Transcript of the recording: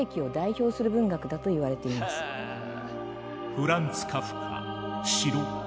フランツ・カフカ「城」。